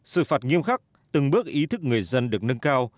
sự phạt nghiêm khắc từng bước ý thức người dân được nâng cao